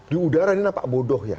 di udara ini nampak bodoh ya